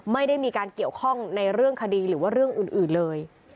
ไม่ได้มีการเกี่ยวข้องในเรื่องคดีหรือว่าเรื่องอื่นเลย